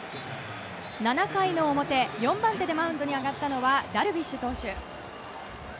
７回の表４番手でマウンドに上がったのはダルビッシュ投手。